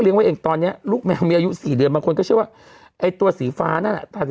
เลี้ยงไว้เองตอนเนี้ยลูกแมวมีอายุสี่เดือนบางคนก็เชื่อว่าไอ้ตัวสีฟ้าน่ะ